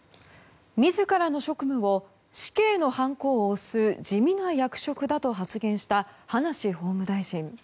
自らの職務を、死刑のはんこを押す地味な役職だと発言した葉梨法務大臣。